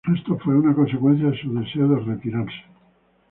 Esto fue una consecuencia de su deseo de retirarse.